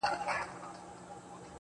یا مثبته و طبیعي پوهنو ته علم واي